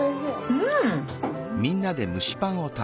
うん！